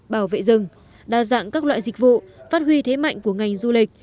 bảo vệ rừng đa dạng các loại dịch vụ phát huy thế mạnh của ngành du lịch